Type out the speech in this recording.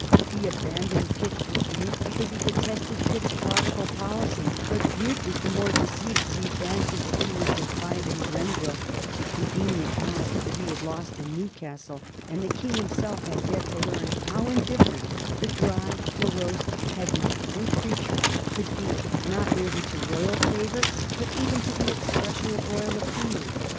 He abandoned Pitt for Bute because he detested Pitt's prodigal policy, but Bute was the more deceived if he fancied that he was to find in Grenville the convenient mask that he had lost in Newcastle; and the King himself had yet to learn how indifferent the dry, morose pedant and preacher could be not merely to royal favor, but even to the expression of royal opinion.